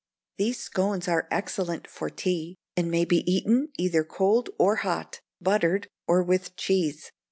These scones are excellent for tea, and may be eaten either cold or hot, buttered, or with cheese.